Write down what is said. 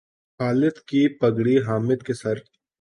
خالد کی پگڑی حامد کے سر